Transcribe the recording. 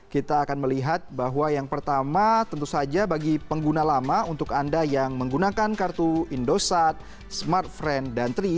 kita akan melihat bahwa yang pertama tentu saja bagi pengguna lama untuk anda yang menggunakan kartu indosat smartfren dan tiga